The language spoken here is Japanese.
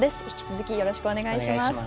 引き続き、よろしくお願いします。